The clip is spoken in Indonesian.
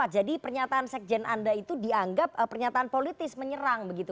jadi pernyataan sekjen anda itu dianggap pernyataan politis menyerang begitu